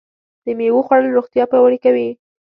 د مېوو خوړل روغتیا پیاوړې کوي.